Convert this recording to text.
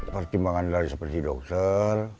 perkembangan dari seperti dokter